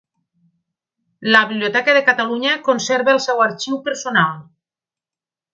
La Biblioteca de Catalunya conserva el seu arxiu personal.